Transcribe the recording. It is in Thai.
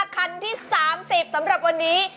คันที่๓๐สำหรับวันนี้